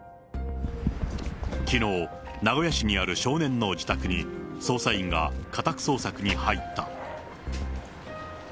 きのう、名古屋市にある少年の自宅に、捜査員が家宅捜索に入った。